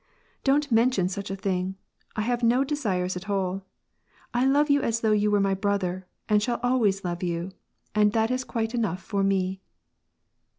*' Don't mention such a thing. I have no desires at alL I love you as though you were my brother, and shall always lore you, and that is quite enough for me."